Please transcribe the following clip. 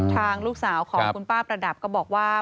ทางลูกสาวของคุณป้าประดับก็บอกว่า